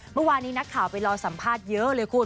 เมื่อวานนี้นักข่าวไปรอสัมภาษณ์เยอะเลยคุณ